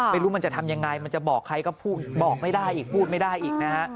ไม่รู้มันจะทำยังไงมันจะบอกใครก็พูดบอกไม่ได้อีกพูดไม่ได้อีกนะฮะ